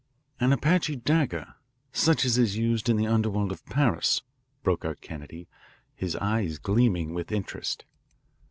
"An Apache dagger, such as is used in the underworld of Paris," broke out Kennedy, his eyes gleaming with interest.